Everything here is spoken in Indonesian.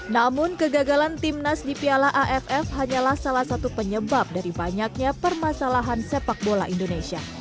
namun kegagalan timnas di piala aff hanyalah salah satu penyebab dari banyaknya permasalahan sepak bola indonesia